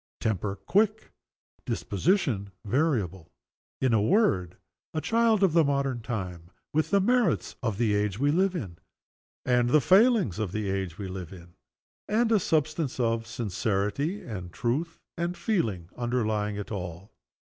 Temper, quick. Disposition, variable. In a word, a child of the modern time with the merits of the age we live in, and the failings of the age we live in and a substance of sincerity and truth and feeling underlying it all.